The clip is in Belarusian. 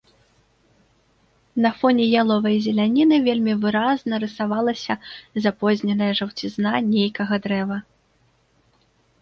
На фоне яловай зеляніны вельмі выразна рысавалася запозненая жаўцізна нейкага дрэва.